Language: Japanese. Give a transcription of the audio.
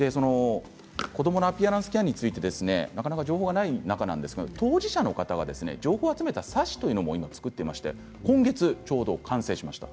子どものアピアランスケアについてなかなか情報がない中なんですが当事者の方が情報を集めた冊子というのも今作っていまして今月ちょうど完成しました。